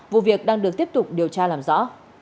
nên được tiếp tục điều tra làm rõ